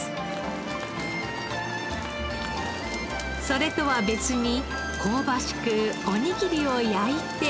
それとは別に香ばしくおにぎりを焼いて。